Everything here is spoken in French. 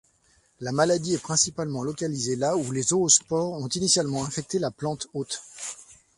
La maladie est principalement localisée là où les zoospores ont initialement infecté la plante-hôte.